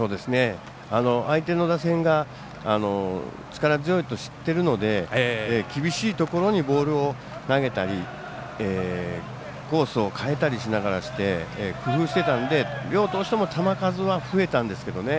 相手の打線が力強いと知っているので厳しいところにボールを投げたりコースを変えたりしながら工夫していたので両投手とも球数は増えたんですけどね。